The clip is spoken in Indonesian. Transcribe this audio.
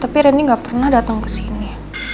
tapi rendy gak pernah datang kesini